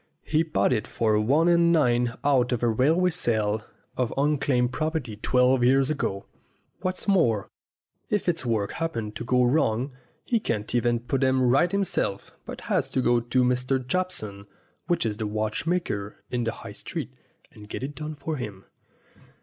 He bought it for one and nine out of a railway sale of un claimed property twelve years ago. What's more, if its works happen to go wrong he can't even put 'em right himself, but has to go to Mr. Jobson, which is the watchmaker in the High Street, and get it done for him.